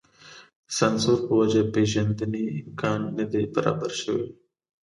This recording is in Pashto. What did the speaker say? د سانسور په وجه پېژندنې امکان نه دی برابر شوی.